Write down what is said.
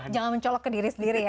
jangan mencolok ke diri sendiri ya